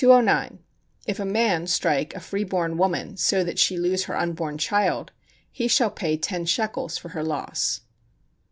If a man strike a free born woman so that she lose her unborn child, he shall pay ten shekels for her loss.